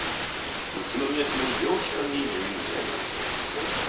宇都宮市の医療機関に入院しています。